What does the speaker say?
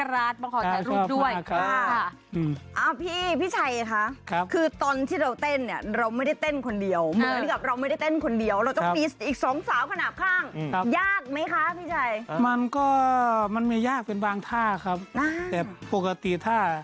เราก็สนุกเราก็ทำอย่างเนี่ย